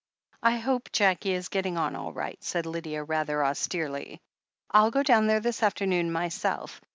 "I hope Jackie is getting on all right," said Lydia, rather austerely. "I'll go down there this afternoon myself.